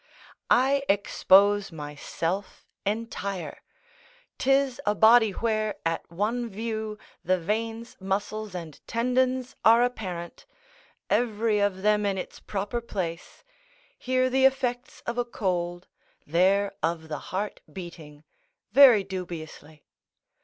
I expose myself entire; 'tis a body where, at one view, the veins, muscles, and tendons are apparent, every of them in its proper place; here the effects of a cold; there of the heart beating, very dubiously.